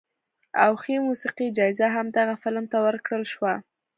او ښې موسیقۍ جایزه هم دغه فلم ته ورکړل شوه.